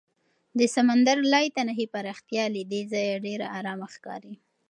د سمندر لایتناهي پراختیا له دې ځایه ډېره ارامه ښکاري.